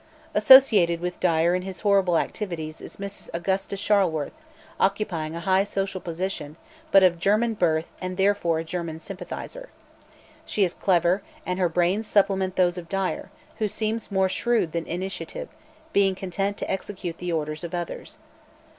"Associated with Dyer in his horrible activities is Mrs. Augusta Charleworth, occupying a high social position, but of German birth and therefore a German sympathizer. She is clever, and her brains supplement those of Dyer, who seems more shrewd than initiative, being content to execute the orders of others.